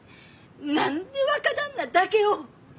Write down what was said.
何で若旦那だけを！